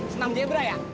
senang zebra ya